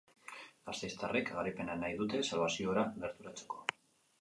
Gasteiztarrek garaipena nahi dute salbaziora gerturatzeko.